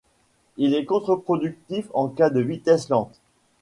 Il est contre-productif en cas de vitesse lente.